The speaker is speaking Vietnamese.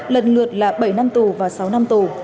lần lượt là bảy năm tù và sáu năm tù